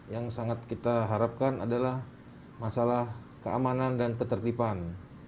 yang sangat kita harapkan adalah masalah keamanan dan ketertiban